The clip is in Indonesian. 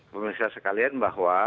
pemirsa sekalian bahwa